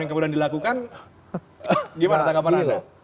yang kemudian dilakukan gimana tanggapan anda